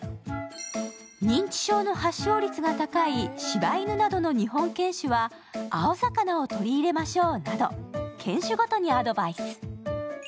認知症の発症率が高いしば犬などの日本犬種は青魚を取り入れましょうなど、犬種ごとにアドバイス。